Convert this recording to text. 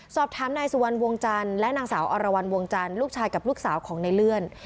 สอบถามนายสุวรรณวงจันทร์และนางสาวอรวรรณวงจันทร์ลูกชายกับลูกสาวของในเลื่อน